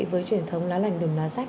với truyền thống lá lành đùm lá rách